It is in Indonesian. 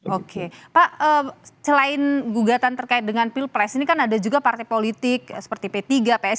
oke pak selain gugatan terkait dengan pilpres ini kan ada juga partai politik seperti p tiga psi